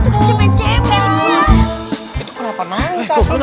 bukan tapi kakek gue lagi